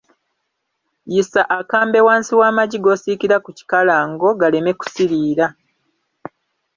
Yisa akambe wansi w'amagi g'osiikira ku kikalango galeme kusiiriira.